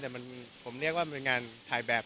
แต่ผมเรียกว่ามันเป็นงานถ่ายแบบ